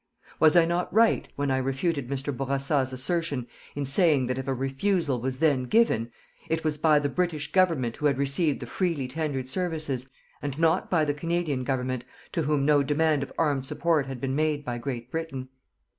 Was I not right, when I refuted Mr. Bourassa's assertion, in saying that if a refusal was then given, it was by the British Government who had received the freely tendered services, and not by the Canadian Government, to whom no demand of armed support had been made by Great Britain?